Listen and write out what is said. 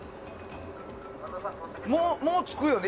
もう着くよね。